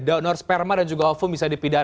donor sperma dan juga offum bisa dipidana